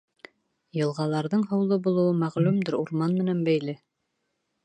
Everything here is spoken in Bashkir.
Йылғаларҙың һыулы булыуы, мәғлүмдер, урман менән бәйле.